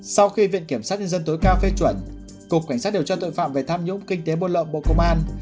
sau khi viện kiểm sát nhân dân tối cao phê chuẩn cục cảnh sát điều tra tội phạm về tham nhũng kinh tế buôn lậu bộ công an